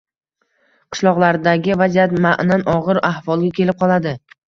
qishloqlardagi vaziyat ma’nan og‘ir ahvolga kelib qoladi.